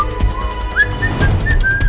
minggir minggir minggir